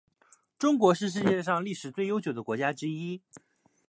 中国是世界上历史最悠久的国家之一。